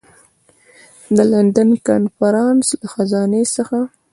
د لندن کنفرانس له خزانې څخه.